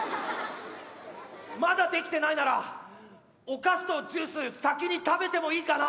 まだできてないならお菓子とジュース先に食べてもいいかな？